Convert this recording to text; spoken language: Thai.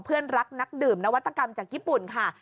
เพื่อนรักนักดื่มนวัตกรรมจากญี่ปุ่นค่ะ